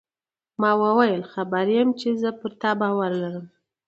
ما وویل: خبر یم، زه پر تا باور لرم.